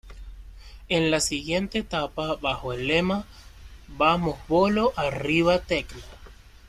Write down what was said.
En la siguiente etapa bajo el lema ""¡Vamos Bolo!...¡Arriba Tacna!